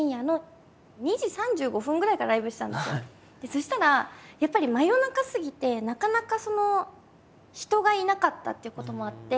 そしたらやっぱり真夜中すぎてなかなか人がいなかったっていうこともあって